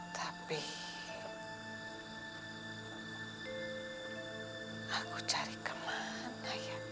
tapi aku cari kemana